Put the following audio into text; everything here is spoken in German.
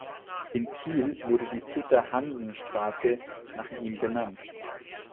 In Kiel wurde die "Peter-Hansen-Straße" nach ihm benannt.